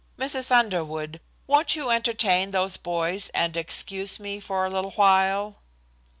Mrs. Underwood, won't you entertain those boys and excuse me for a little while?"